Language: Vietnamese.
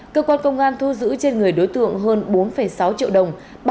cơ quan công an thu giữ trên người đối tượng hơn bốn sáu triệu đồng